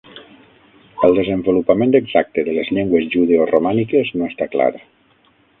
El desenvolupament exacte de les llengües judeoromàniques no està clar.